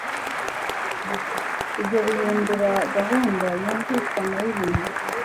Ibyo bihindura gahunda yumvikana yibintu.